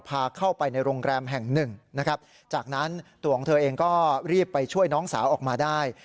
พาเข้าไปในโรงแรมแห่งหนึ่งนะครับจากนั้นตัวของเธอเองก็รีบไปช่วยน้องสาวออกมาได้